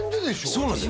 そうなんです